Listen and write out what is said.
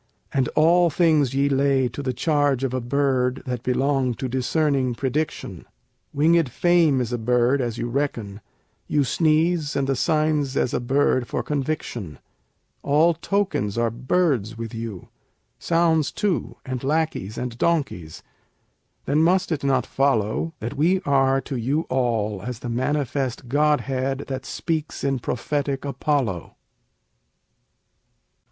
And all things ye lay to the charge of a bird that belong to discerning prediction: Winged fame is a bird, as you reckon; you sneeze, and the sign's as a bird for conviction; All tokens are "birds" with you sounds, too, and lackeys and donkeys. Then must it not follow That we are to you all as the manifest godhead that speaks in prophetic Apollo?